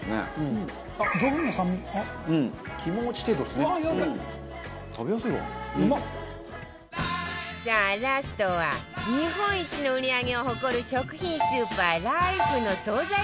さあラストは日本一の売り上げを誇る食品スーパーライフの惣菜